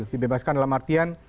dibebaskan dalam artian